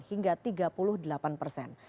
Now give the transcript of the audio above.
hingga tiga puluh delapan persen